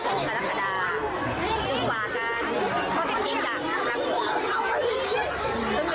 ขออนุญาตแล้วกันเรื่องนี้เนี่ยขออนุญาตแล้วกัน